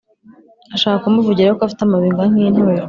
(ashaka kumuvugiraho ko afite amabinga nk'inturo)"